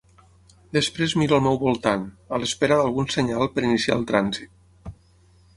Després miro al meu voltant, a l'espera d'algun senyal per iniciar el trànsit.